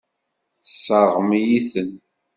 Tesseṛɣem-iyi-ten.